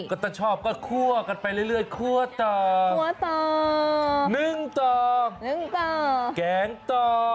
กระต่ะชอบก็คั่วกันไปเรื่อยคั่วต่อ๑ต่อแกงต่อ